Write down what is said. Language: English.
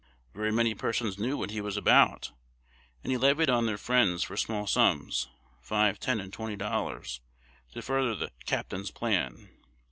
Very many persons knew what he was about, and levied on their friends for small sums five, ten, and twenty dollars to further the "captain's" plan.